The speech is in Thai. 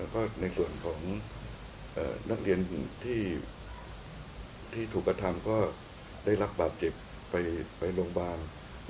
ก็ในส่วนของนักเรียนที่ถูกกระทำก็ได้รับบาดเจ็บไปโรงพยาบาล